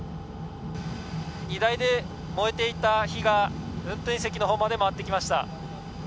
荷台で燃えていた火が運転席のほうまで回ってきました。